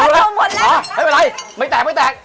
ได้ปล่อยไม่แตกไม่แตก